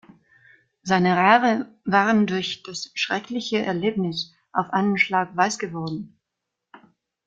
Seine Haare waren durch das schreckliche Erlebnis auf einen Schlag weiß geworden.